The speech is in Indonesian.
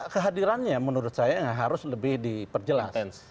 kehadirannya menurut saya harus lebih diperjelas